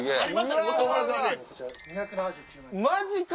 マジか！